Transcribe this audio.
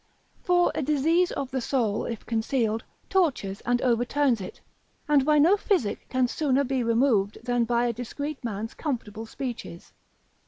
For a disease of the soul, if concealed, tortures and overturns it, and by no physic can sooner be removed than by a discreet man's comfortable speeches.